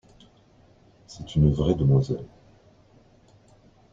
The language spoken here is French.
C’est une vraie demoiselle.